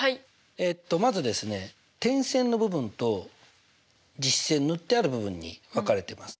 えっとまずですね点線の部分と実線塗ってある部分に分かれてます。